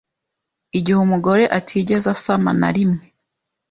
igihe umugore atigeze asama na rimwe